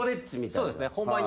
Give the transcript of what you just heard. そうですね。